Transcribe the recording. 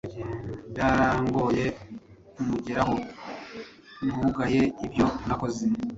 Byarangoye kumugeraho ntugaye ibyo nakoze